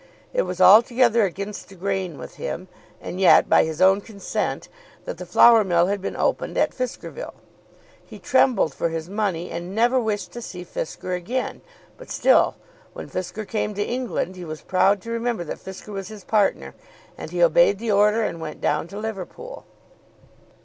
It was altogether against the grain with him, and yet by his own consent, that the flour mill had been opened at Fiskerville. He trembled for his money and never wished to see Fisker again; but still, when Fisker came to England, he was proud to remember that Fisker was his partner, and he obeyed the order and went down to Liverpool.